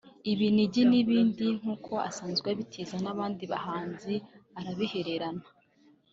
ibinigi n’ibindi nk’uko asanzwe abitiza n’abandi bahanzi arabiherana